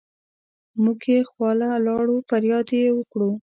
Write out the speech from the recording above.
مونږ يې خواله لاړو فرياد يې وکړو